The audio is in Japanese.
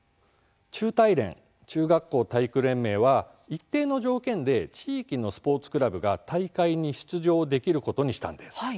中体連＝中学校体育連盟は一定の条件で地域のスポーツクラブが大会に出場できることにしたんです。